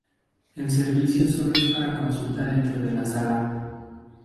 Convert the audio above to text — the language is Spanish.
El servicio solo es para consulta dentro de la sala.